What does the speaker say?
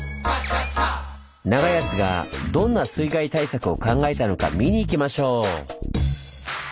長安がどんな水害対策を考えたのか見に行きましょう！